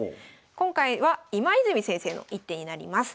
今回は今泉先生の一手になります。